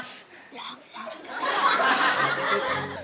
หลอกหลอก